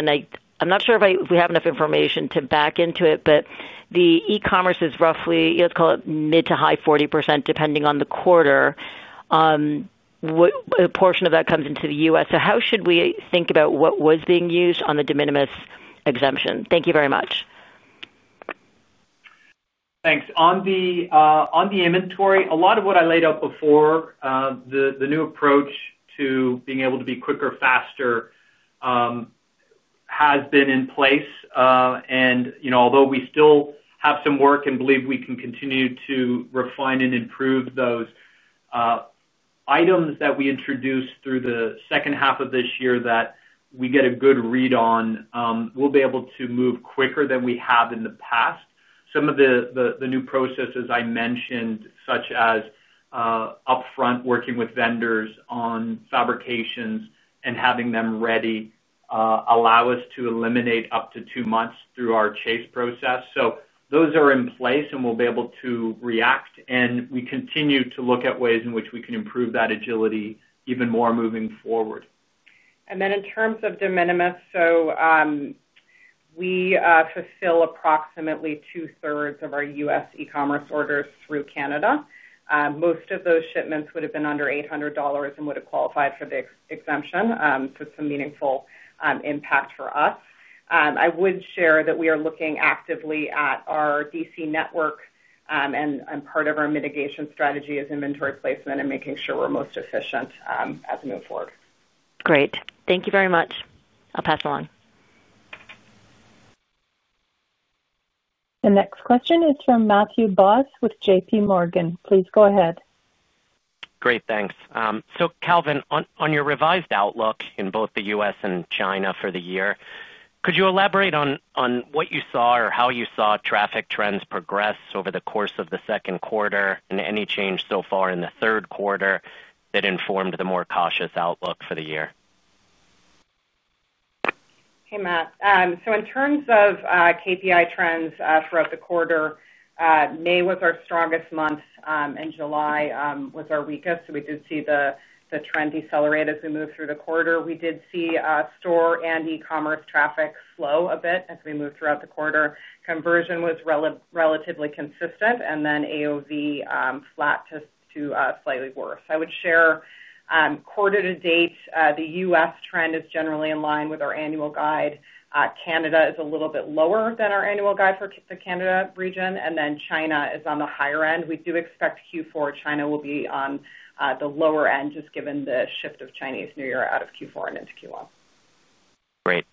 I'm not sure if we have enough information to back into it, but the e-commerce is roughly, let's call it mid to high 40% depending on the quarter. A portion of that comes into the U.S. How should we think about what was being used on the de minimis exemption? Thank you very much. Thanks. On the inventory, a lot of what I laid out before, the new approach to being able to be quicker, faster has been in place. Although we still have some work and believe we can continue to refine and improve those items that we introduced through the second half of this year that we get a good read on, we'll be able to move quicker than we have in the past. Some of the new processes I mentioned, such as upfront working with vendors on fabrications and having them ready, allow us to eliminate up to two months through our chase process. Those are in place, and we'll be able to react, and we continue to look at ways in which we can improve that agility even more moving forward. In terms of de minimis, we fulfill approximately 2/3 of our U.S. e-commerce orders through Canada. Most of those shipments would have been under $800 and would have qualified for the exemption. It is a meaningful impact for us. I would share that we are looking actively at our DC network, and part of our mitigation strategy is inventory placement and making sure we're most efficient as we move forward. Great. Thank you very much. I'll pass it on. The next question is from Matthew Boss with JPMorgan. Please go ahead. Great, thanks. Calvin, on your revised outlook in both the U.S. and China for the year, could you elaborate on what you saw or how you saw traffic trends progress over the course of the second quarter, and any change so far in the third quarter that informed the more cautious outlook for the year? Hey, Matt. In terms of KPI trends throughout the quarter, May was our strongest month, and July was our weakest. We did see the trend decelerate as we moved through the quarter. We did see store and e-commerce traffic slow a bit as we moved throughout the quarter. Conversion was relatively consistent, and then AOV was flat to slightly worse. I would share quarter-to-date, the U.S. trend is generally in line with our annual guide. Canada is a little bit lower than our annual guide for the Canada region, and China is on the higher end. We do expect Q4 China will be on the lower end, just given the shift of Chinese New Year out of Q4 and into Q1. Great.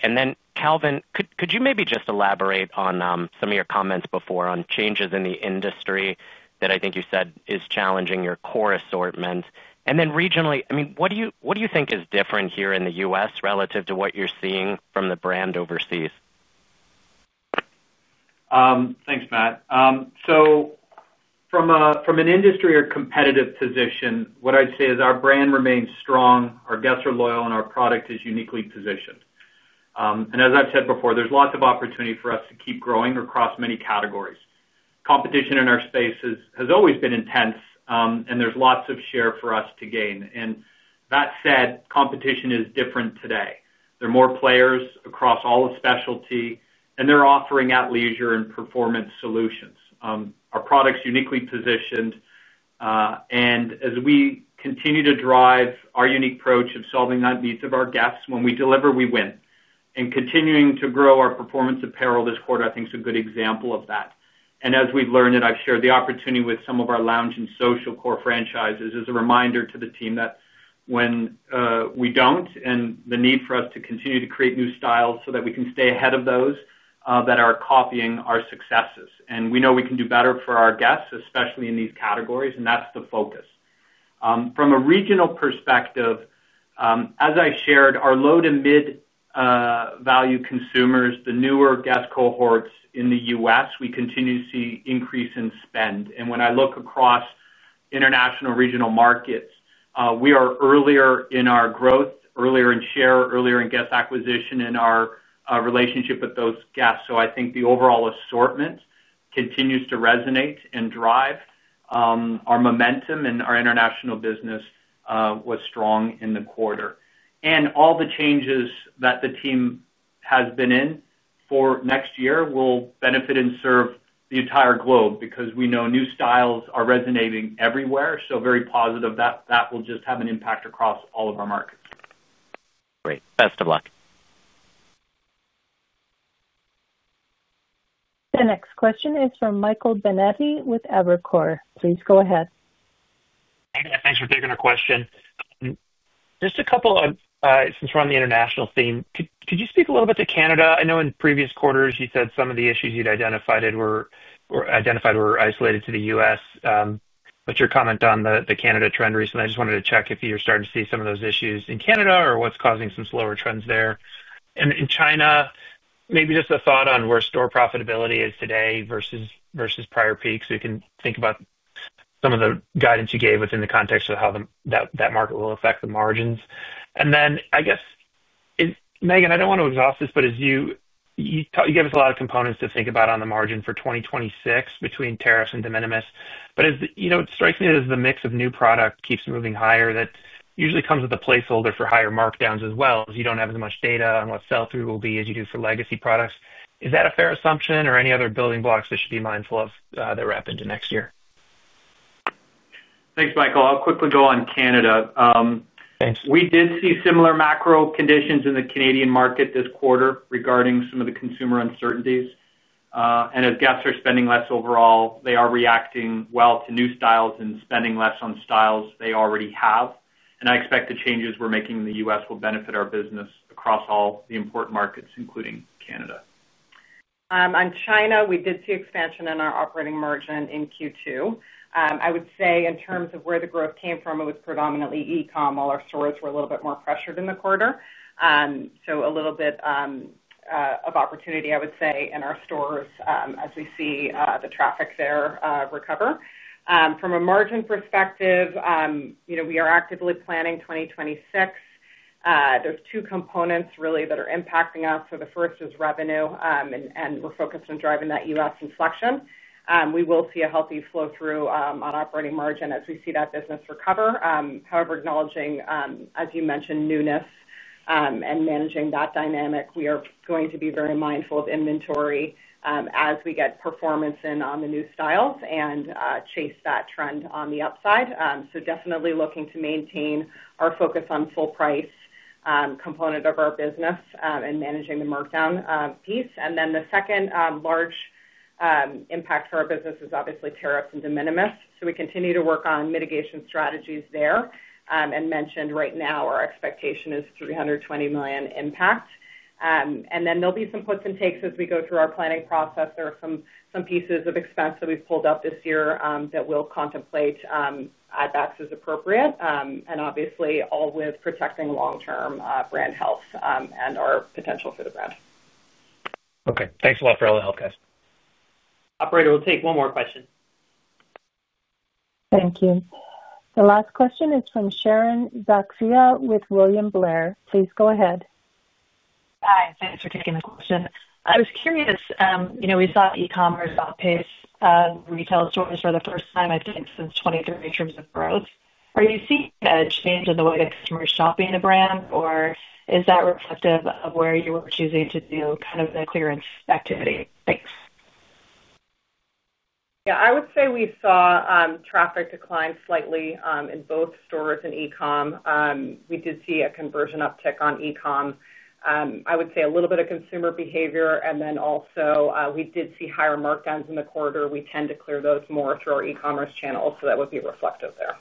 Calvin, could you maybe just elaborate on some of your comments before on changes in the industry that I think you said is challenging your core assortment? Regionally, what do you think is different here in the U.S. relative to what you're seeing from the brand overseas? Thanks, Matt. From an industry or competitive position, what I'd say is our brand remains strong, our guests are loyal, and our product is uniquely positioned. As I've said before, there's lots of opportunity for us to keep growing across many categories. Competition in our space has always been intense, and there's lots of share for us to gain. That said, competition is different today. There are more players across all of specialty, and they're offering at-leisure and performance solutions. Our product's uniquely positioned, and as we continue to drive our unique approach of solving the needs of our guests, when we deliver, we win. Continuing to grow our performance apparel this quarter, I think, is a good example of that. As we've learned and I've shared the opportunity with some of our lounge and social core franchises as a reminder to the team that when we don't and the need for us to continue to create new styles so that we can stay ahead of those that are copying our successes. We know we can do better for our guests, especially in these categories, and that's the focus. From a regional perspective, as I shared, our low to mid-value consumers, the newer guest cohorts in the U.S., we continue to see increase in spend. When I look across international regional markets, we are earlier in our growth, earlier in share, earlier in guest acquisition in our relationship with those guests. I think the overall assortment continues to resonate and drive. Our momentum in our international business was strong in the quarter. All the changes that the team has been in for next year will benefit and serve the entire globe because we know new styles are resonating everywhere. Very positive that that will just have an impact across all of our markets. Great. Best of luck. The next question is from Michael Binetti with Evercore. Please go ahead. Thanks for taking our question. Just a couple of since we're on the international theme, could you speak a little bit to Canada? I know in previous quarters you said some of the issues you'd identified were isolated to the U.S. What's your comment on the Canada trend recently? I just wanted to check if you're starting to see some of those issues in Canada or what's causing some slower trends there. In China, maybe just a thought on where store profitability is today versus prior peaks. We can think about some of the guidance you gave within the context of how that market will affect the margins. I guess, Meghan, I don't want to exhaust this, but as you gave us a lot of components to think about on the margin for 2026 between tariffs and de minimis. It strikes me as the mix of new product keeps moving higher that usually comes with a placeholder for higher markdowns as well, as you don't have as much data on what sell-through will be as you do for legacy products. Is that a fair assumption or any other building blocks we should be mindful of that wrap into next year? Thanks, Michael. I'll quickly go on Canada. We did see similar macro conditions in the Canadian market this quarter regarding some of the consumer uncertainties. As guests are spending less overall, they are reacting well to new styles and spending less on styles they already have. I expect the changes we're making in the U.S. will benefit our business across all the important markets, including Canada. On China, we did see expansion in our operating margin in Q2. I would say in terms of where the growth came from, it was predominantly e-com. All our stores were a little bit more pressured in the quarter. A little bit of opportunity, I would say, in our stores as we see the traffic there recover. From a margin perspective, we are actively planning 2026. There are two components really that are impacting us. The first is revenue, and we're focused on driving that U.S. inflection. We will see a healthy flow-through on operating margin as we see that business recover. However, acknowledging, as you mentioned, newness and managing that dynamic, we are going to be very mindful of inventory as we get performance in on the new styles and chase that trend on the upside. Definitely looking to maintain our focus on full price component of our business and managing the markdown piece. The second large impact for our business is obviously tariffs and de minimis. We continue to work on mitigation strategies there. As mentioned right now, our expectation is $320 million impact. There will be some puts and takes as we go through our planning process. There are some pieces of expense that we've pulled up this year that we'll contemplate as appropriate, all with protecting long-term brand health and our potential for the brand. Okay, thanks a lot for all the help, guys. Operator, we'll take one more question. Thank you. The last question is from Sharon Zackfia with William Blair. Please go ahead. Hi. Thanks for taking the question. I was curious, you know we saw e-commerce outpace retail stores for the first time, I think, since 2023 in terms of growth. Are you seeing a change in the way that consumers shop in the brand, or is that reflective of where you were choosing to do kind of the clearance activity? Thanks. Yeah, I would say we saw traffic decline slightly in both stores and e-com. We did see a conversion uptick on e-com. I would say a little bit of consumer behavior, and then also we did see higher markdowns in the quarter. We tend to clear those more through our e-commerce channels, so that would be reflected there.